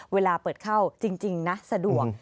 เวลาเปิดเข้าจริงนะสะดวก